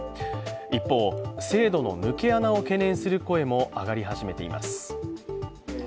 一方、制度の抜け穴を懸念する声も上がり始めています。